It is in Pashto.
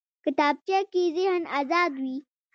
کتابچه کې ذهن ازاد وي